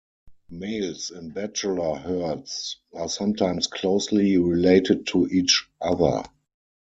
Males in bachelor herds are sometimes closely related to each other.